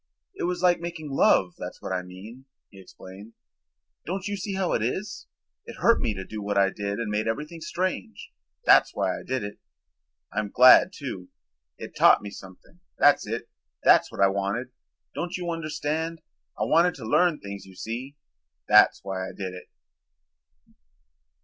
"It was like making love, that's what I mean," he explained. "Don't you see how it is? It hurt me to do what I did and made everything strange. That's why I did it. I'm glad, too. It taught me something, that's it, that's what I wanted. Don't you understand? I wanted to learn things, you see. That's why I did it."